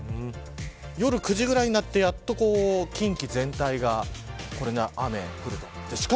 夜９時くらいになってやっと近畿全体が雨が降ります。